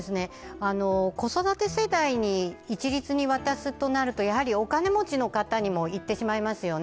子育て世帯に一律に渡すとなるとお金持ちの方にもいってしまいますよね。